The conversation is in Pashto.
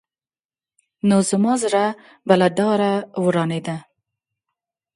نو زما زړه به له ډاره ورانېده.